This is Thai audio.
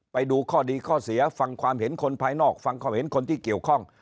ไปดูข้อดีข้อเสียฟังความเห็นคนภายนอกฟังความเห็นคนที่เกี่ยวข้อง